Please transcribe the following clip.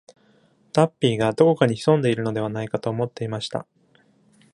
タッピーがどこかに潜んでいるのではないかと思っていました。